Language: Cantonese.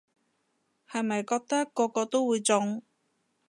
後咪覺得個個都會中